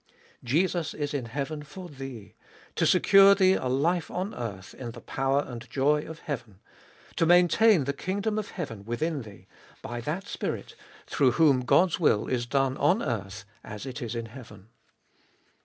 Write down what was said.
Jesus is in heaven for tkee, to secure thee a life on earth in the power and joy of heaven, to maintain the kingdom of heaven within thee, by that Spirit, through whom 15 226 tTbe Iboltest of 21U God's will is done on earth as it is in heaven.